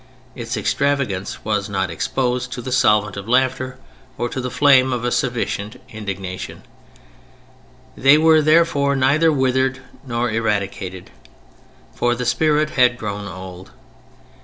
Its extravagance was not exposed to the solvent of laughter or to the flame of a sufficient indignation: they were therefore neither withered nor eradicated. For the spirit had grown old.